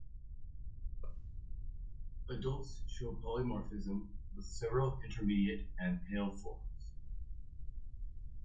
Adults show polymorphism with several intermediate and pale forms.